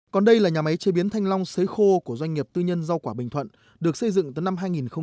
còn đây là nhà máy chế biến thanh long sới khô của doanh nghiệp tư nhân rau quả bình thuận được xây dựng từ năm hai nghìn một mươi